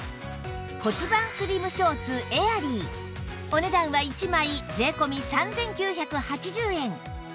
骨盤スリムショーツエアリーお値段は１枚税込３９８０円